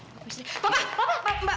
bapak bapak mbak mbak